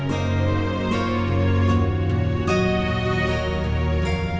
semoga kita bisa berdu animus